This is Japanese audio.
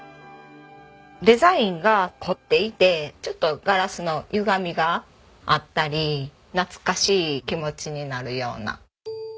デザインが凝っていてちょっとガラスの歪みがあったり懐かしい気持ちになるような。